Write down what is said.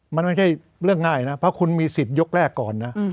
มันไม่ใช่เรื่องง่ายนะเพราะคุณมีสิทธิ์ยกแรกก่อนนะ